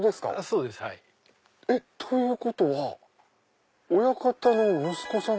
そうです。ということは親方の息子さん？